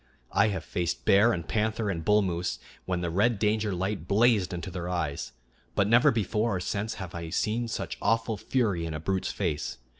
I have faced bear and panther and bull moose when the red danger light blazed into their eyes; but never before or since have I seen such awful fury in a brute's face.